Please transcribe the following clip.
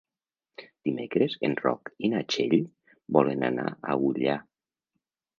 Dimecres en Roc i na Txell volen anar a Ullà.